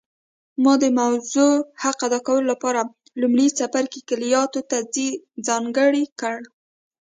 ما د موضوع حق ادا کولو لپاره لومړی څپرکی کلیاتو ته ځانګړی کړ